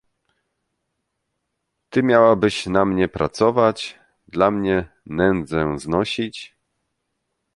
"Ty, miałabyś na mnie pracować, dla mnie nędzę znosić!"